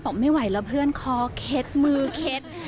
ไม่ไหวแล้วเพื่อนคอเคล็ดมือเคล็ด